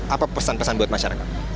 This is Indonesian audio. apa pesan pesan buat masyarakat